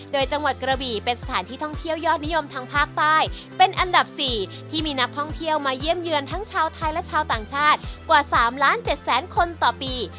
โดยจังหวัดกระบี่เป็นสถานที่ท่องเที่ยวยอดนิยมทางภาคใต้เป็นอันดับ๔ที่มีนักท่องเที่ยวมาเยี่ยมเยือนทั้งชาวไทยและชาวต่างชาติกว่า๓ล้าน๗แสนคนต่อปี